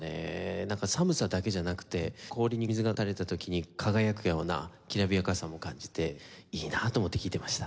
なんか寒さだけじゃなくて氷に水が垂れた時に輝くようなきらびやかさも感じていいなと思って聴いていました。